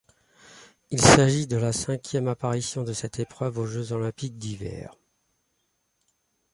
Il s'agit de la cinquième apparition de cette épreuve aux Jeux olympiques d'hiver.